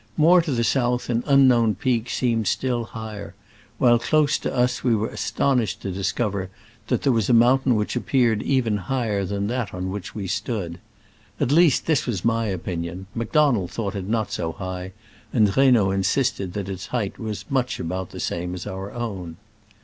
More to the south an unknown peak seemed still higher, while close to us we were astonished to discover that there was a mountain which appeared even higher than that on which we stood. At least this was my opinion : Macdonald thought it not so high, and Reynaud insisted that its height was much about the same as our own.